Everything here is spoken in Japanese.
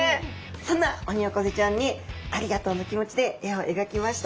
そんなオニオコゼちゃんにありがとうの気持ちで絵を描きました。